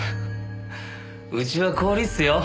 うちは高利っすよ。